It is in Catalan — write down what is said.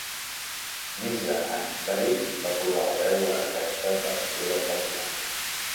Lisa Ann Beley va posar la veu a aquesta versió del personatge.